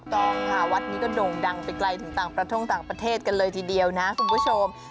ต้องค่ะวัดนี้ก็โด่งดังไปไกลถึงต่างประท่งต่างประเทศกันเลยทีเดียวนะคุณผู้ชม